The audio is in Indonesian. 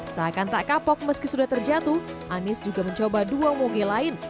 seakan tak kapok meski sudah terjatuh anies juga mencoba dua moge lain